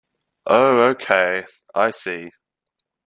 Oh okay, I see.